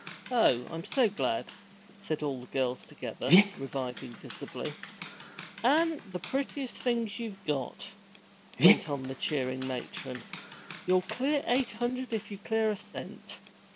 'Oh, I'm so glad!' said all the girls together, reviving visibly. 'An' the pretty things you got!' went on the cheering matron. 'You'll clear eight hundred if you'll clear a cent.